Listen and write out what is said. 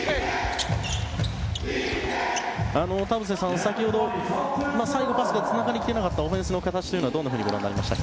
田臥さん、先ほど最後パスがつながり切れなかったオフェンスの形というのはどういうふうにご覧になりましたか。